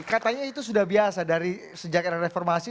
katanya itu sudah biasa dari sejak era reformasi